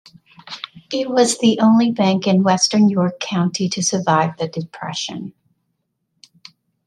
It was the only bank in Western York County to survive the Depression.